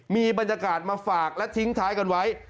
มีบรรยากาศมาฝากและทิ้งท้ายกันไว้